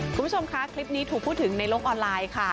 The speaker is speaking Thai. คุณผู้ชมคะคลิปนี้ถูกพูดถึงในโลกออนไลน์ค่ะ